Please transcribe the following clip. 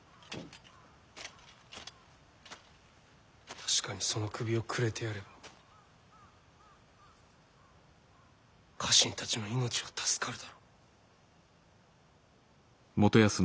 確かにその首をくれてやれば家臣たちの命は助かるだろう。